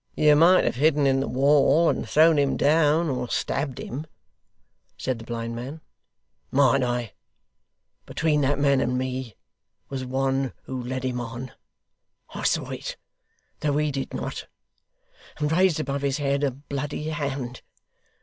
'You might have hidden in the wall, and thrown him down, or stabbed him,' said the blind man. 'Might I? Between that man and me, was one who led him on I saw it, though he did not and raised above his head a bloody hand.